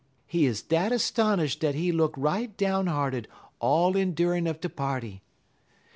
He 'uz dat 'stonish'd dat he look right down hearted all endurin' uv de party.